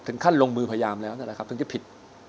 ท่านลงมือพยายามแล้วนั่นแหละครับถึงจะผิด